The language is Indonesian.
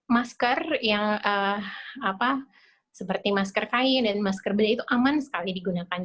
masker yang seperti masker kain dan masker bedah itu aman sekali digunakan